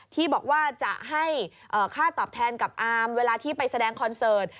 ที่บอกว่าจะให้ค่าตอบแทนกับอามเวลาที่ไปแสดงคอนเสิร์ต